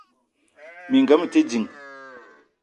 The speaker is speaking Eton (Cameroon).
Minga mete ding.